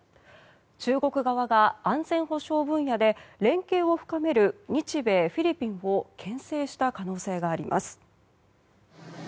中国側が安全保障分野で連携を含める日米フィリピンを牽制した可能性があります。